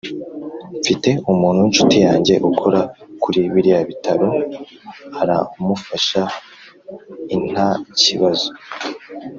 mfite umuntu wishuti yanjye ukora kuri biriya bitaro aramufasha intakibazo